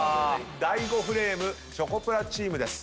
第５フレームチョコプラチームです。